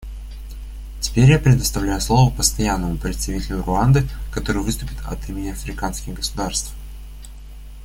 Теперь я предоставляю слово Постоянному представителю Руанды, который выступит от имени африканских государств.